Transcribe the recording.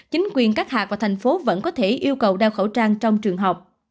chính quyền các hạc và thành phố vẫn có thể yêu cầu đeo khẩu trang trong trường học